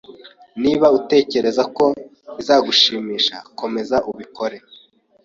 Niba utekereza ko bizagushimisha, komeza ubikore.